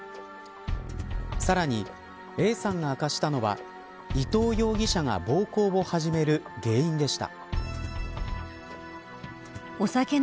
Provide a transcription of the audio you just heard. さらに、Ａさんが明かしたのは伊藤容疑者が暴行を始める原因でした。